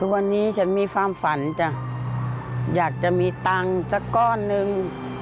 วันนี้ฉันมีความฝันจ้ะอยากจะมีตังค์สักก้อนนึง